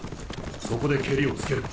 そこでけりをつける。